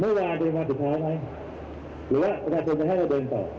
เมื่อวานเดินมาสุดท้ายไหมหรือว่าประกาศจะให้เราเดินต่อ